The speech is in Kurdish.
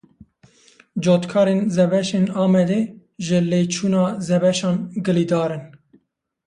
Cotkarên zebeşên Amedê ji lêçûna zebeşan gilîdar in.